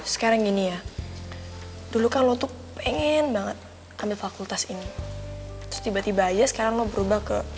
sekarang gini ya dulu kan lotuk pengen banget ambil fakultas ini terus tiba tiba aja sekarang berubah ke